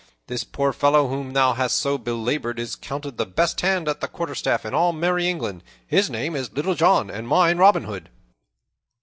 This poor fellow whom thou hast so belabored is counted the best hand at the quarterstaff in all merry England. His name is Little John, and mine Robin Hood."